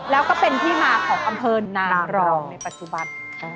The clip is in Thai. แล้วก็เป็นที่มาของอำเภอนางรองในปัจจุบัน